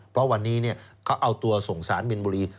เพราะวันนี้เนี่ยเค้าเอาตัวสงสารบินบุรี